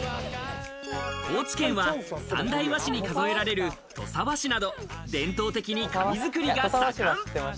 高知県は三大和紙に数えられる土佐和紙など伝統的な紙作りが盛ん。